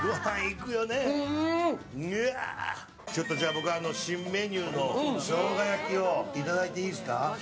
僕は新メニューの生姜焼きをいただいていいですか。